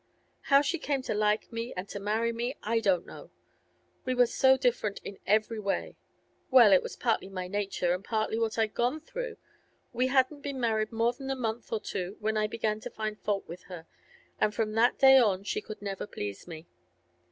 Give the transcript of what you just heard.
How she came to like me and to marry me, I don't know; we were so different in every way. Well, it was partly my nature and partly what I'd gone through; we hadn't been married more than a month or two when I began to find fault with her, and from that day on she could never please me.